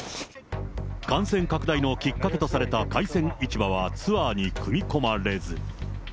感染拡大のきっかけとされた海鮮市場はツアーに組み込まれず。